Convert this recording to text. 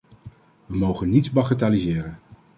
We mogen niets bagatelliseren.